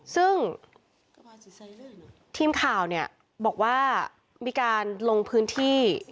ซึ่งทีมข่าวเนี่ยบอกว่ามีการลงพื้นที่